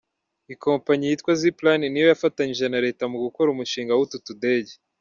Ikompanyi yitwa Zipline ni yo yafatanije na Leta mu gukora umushinga w’utu tudege.